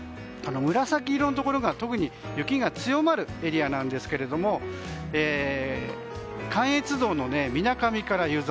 紫色のところが、特に雪が強まるエリアなんですけれども関越道のみなかみから湯沢